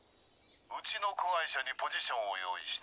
うちの子会社にポジションを用意した。